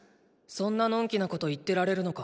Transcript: そんな呑気なこと言ってられるのか？